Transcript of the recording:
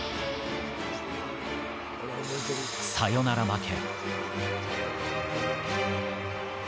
サヨナラ負け。